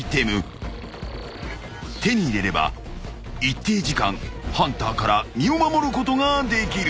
［手に入れれば一定時間ハンターから身を守ることができる］